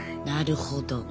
なるほど。